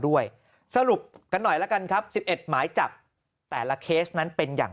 ด้วยสรุปกันหน่อยละกันครับ๑๑หมายจับแต่ละเคสนั้นเป็นอย่าง